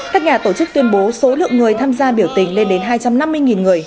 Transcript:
các nhà tổ chức tuyên bố số lượng người tham gia biểu tình lên đến hai trăm năm mươi người